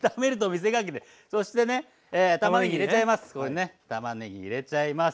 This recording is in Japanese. そしてねたまねぎ入れちゃいます。